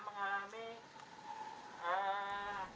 juga setelah mengalami